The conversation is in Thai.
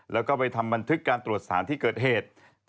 แล้วก็ไปทำบันทึกการตรวจสารที่เกิดเหตุ